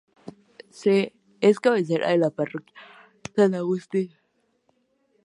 Es cabecera de la parroquia San Agustín.